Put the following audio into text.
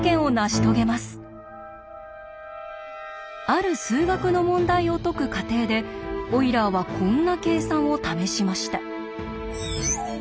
ある数学の問題を解く過程でオイラーはこんな計算を試しました。